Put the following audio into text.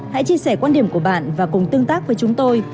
hãy chia sẻ quan điểm của bạn và cùng tương tác với chúng tôi